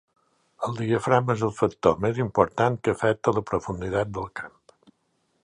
El diafragma és el factor més important que afecta la profunditat del camp.